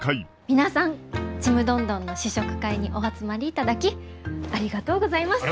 皆さんちむどんどんの試食会にお集まりいただきありがとうございます。